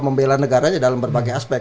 membela negaranya dalam berbagai aspek